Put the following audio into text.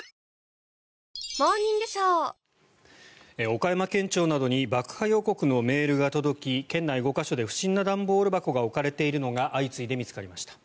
岡山県庁などに爆破予告のメールが届き県内５か所で不審な段ボール箱が置かれているのが相次いで見つかりました。